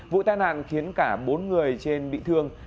vụ tai nạn khiến cả bốn người trên bị thương